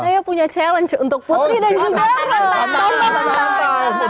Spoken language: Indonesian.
saya punya challenge untuk putri dan juga